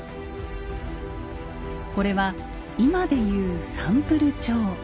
これは今で言うサンプル帳。